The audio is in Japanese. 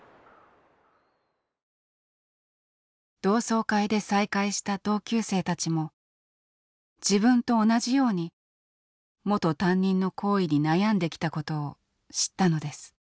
同窓会で再会した同級生たちも自分と同じように元担任の行為に悩んできたことを知ったのです。